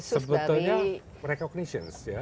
sebetulnya recognition ya